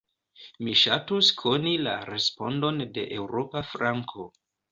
Mi ŝatus koni la respondon de eŭropa flanko.